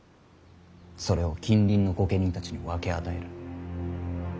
それを近隣の御家人たちに分け与える。